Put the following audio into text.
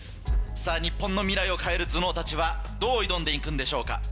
さぁ日本の未来を変える頭脳たちはどう挑んでいくんでしょうか？